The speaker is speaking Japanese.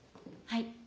はい。